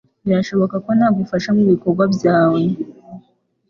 Birashoboka ko nagufasha mubikorwa byawe